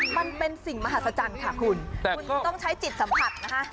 มันเป็นสิ่งมหัศจรรย์ค่ะคุณคุณต้องใช้จิตสัมผัสนะคะ